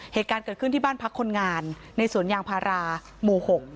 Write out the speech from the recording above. เหตุการณ์เกิดขึ้นที่บ้านพักคนงานในสวนยางพาราหมู่๖